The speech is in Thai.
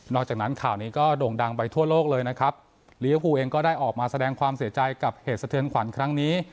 จากนั้นข่าวนี้ก็โด่งดังไปทั่วโลกเลยนะครับลิเวอร์ภูเองก็ได้ออกมาแสดงความเสียใจกับเหตุสะเทือนขวัญครั้งนี้